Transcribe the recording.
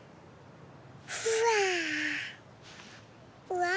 うわ。